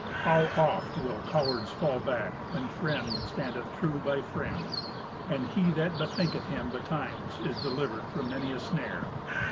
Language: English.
How oft will cowards fall back when friend standeth true by friend! And he that bethinketh him betimes is delivered from many a snare.